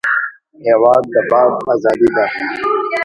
هېواد د باد ازادي ده.